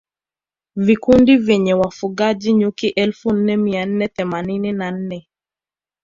Vikundi vyenye wafugaji nyuki elfu nne mia nne themanini na nne